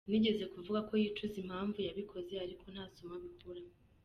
Nigeze kuvuga ko yicuza impamvu yabikoze ariko nta somo abikuramo.